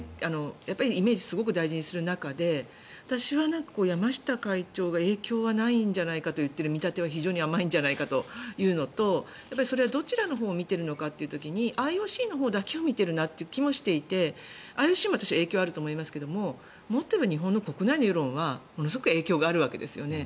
イメージをすごく大事にする中で私は山下会長が影響はないんじゃないかと言っている見立ては非常に甘いんじゃないかというのとそれはどちらのほうを見ているのかという時にＩＯＣのほうだけを見ているなという気もしていてＩＯＣも私は影響があると思いますけどもっと言えば日本の国内の世論はものすごく影響があるわけですよね。